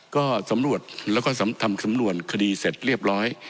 ก็สำรวจแล้วก็ทำสำนวนคดีเสร็จเรียบร้อย